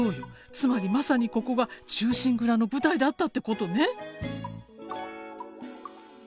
つまりまさにここが「忠臣蔵」の舞台だったってことね。